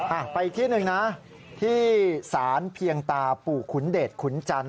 อ่ะไปอีกที่หนึ่งนะที่สารเพียงตาปู่ขุนเดชขุนจันท